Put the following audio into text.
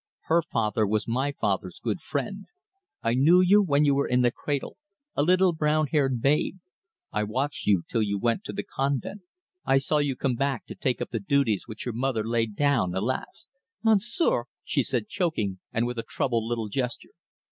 Her father was my father's good friend. I knew you when you were in the cradle a little brown haired babe. I watched you till you went to the convent. I saw you come back to take up the duties which your mother laid down, alas! " "Monsieur !" she said choking, and with a troubled little gesture.